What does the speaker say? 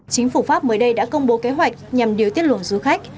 chính phủ pháp mới đây đã công bố kế hoạch nhằm điều tiết luận du khách